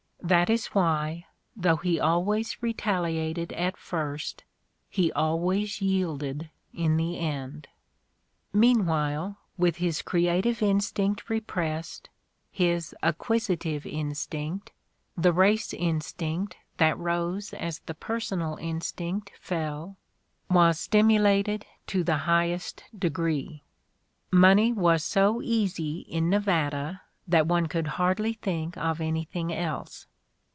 That is why, though he always retaliated at first, he always yielded in the end. Meanwhile, with his creative instinct repressed, his acquisitive instinct, the race instinct that rose as the personal instinct fell, was stimulated to the highest de gree. Money was so "easy" in Nevada that one could hardly think of anything else.